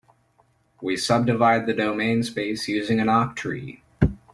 We subdivide the domain space using an octree.